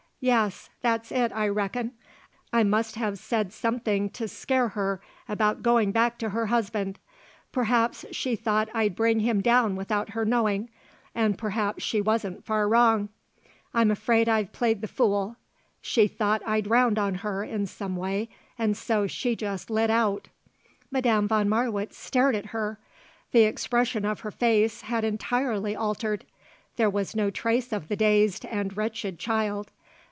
"Yes, that's it, I reckon. I must have said something to scare her about her going back to her husband. Perhaps she thought I'd bring him down without her knowing, and perhaps she wasn't far wrong. I'm afraid I've played the fool. She thought I'd round on her in some way and so she just lit out." Madame von Marwitz stared at her. The expression of her face had entirely altered; there was no trace of the dazed and wretched child.